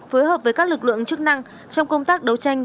phối hợp với các lực lượng chức năng trong công tác đấu tranh